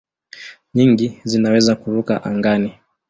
Nyingi zinaweza kuruka angani.